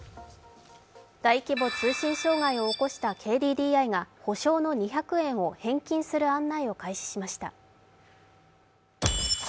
大規模通信障害を起こしたＫＤＤＩが補償の２００円を返金する案内を開始しました。